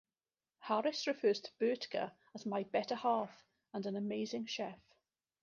Harris refers to Burtka as "my better half" and "an amazing chef".